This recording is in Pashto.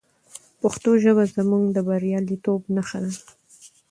پښتو ژبه زموږ د بریالیتوب نښه ده.